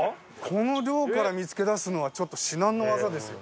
この量から見付けだすのはちょっと至難の業ですよ。